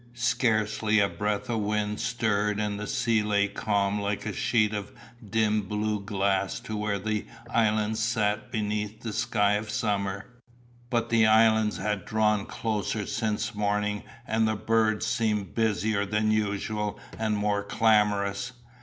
Scarcely a breath of wind stirred and the sea lay calm like a sheet of dim blue glass to where the islands sat beneath the sky of summer. But the islands had drawn closer since morning and the birds seemed busier than usual and more clamorous.